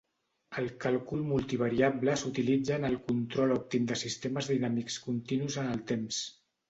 El càlcul multivariable s'utilitza en el control òptim de sistemes dinàmics continus en el temps.